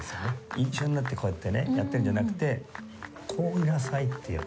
一緒になってこうやってねやってるんじゃなくてこういなさいっていう。